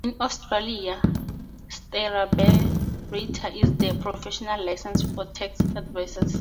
In Austria, Steuerberater is the professional license for tax advisors.